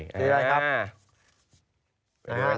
สีอะไรครับ